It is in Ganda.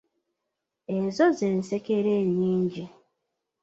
Ezo z'ensekere enyingi.